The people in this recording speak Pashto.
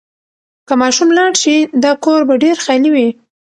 که ماشوم لاړ شي، دا کور به ډېر خالي وي.